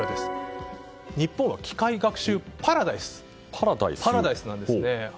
日本は機械学習パラダイスなんですね。